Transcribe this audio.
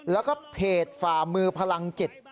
แล้วก็เพจฝ่ามือพลังจิต